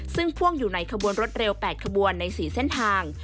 ซึ่งพ่วงอยู่ในขบวนรถเร็ว๘ขบวนใน๔เส้นทาง